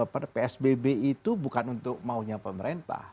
psbb itu bukan untuk maunya pemerintah